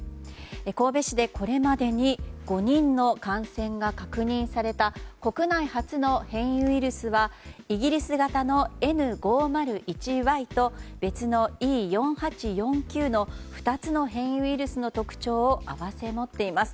神戸市でこれまでに５人の感染が確認された国内初の変異ウイルスはイギリス型のＮ５０１Ｙと別のＥ４８４Ｑの２つの変異ウイルスの特徴を併せ持っています。